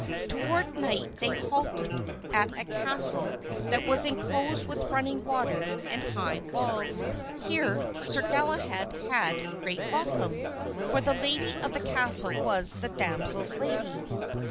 Toward night they halted at a castle that was enclosed with running water and high walls. Here Sir Galahad had great welcome, for the lady of the castle was the damsel's lady.